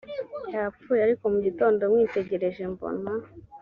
yapfuye ariko mu gitondo mwitegereje mbona